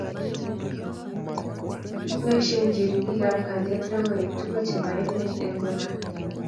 kiinoishein ripik ab kalyet lokoywek tugul chebo emet eng kora kora